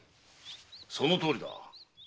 そのとおりだ。